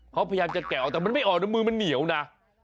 เขาพยายามจะแกะออกแต่มันไม่ออกนะมือมันเหนียวนะ